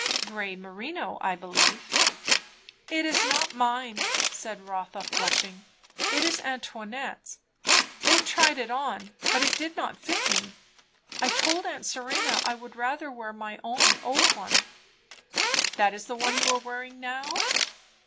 "Grey merino, I believe." "It is not mine," said Rotha flushing. "It is Antoinette's. They tried it on, but it did not fit me. I told aunt Serena I would rather wear my own old one." "That is the one you are wearing now?"